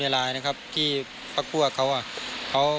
ได้ยินทำให้นายธนกฤษองค์ภาควัดฮั่งสูงตองเขา